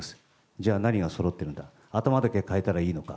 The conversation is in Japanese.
じゃあ、何がそろってるんだ、頭だけかえたらいいのか。